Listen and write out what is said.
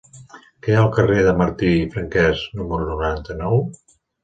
Què hi ha al carrer de Martí i Franquès número noranta-nou?